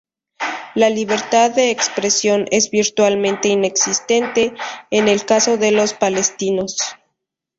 La libertad de expresión es "virtualmente inexistente" en el caso de los palestinos.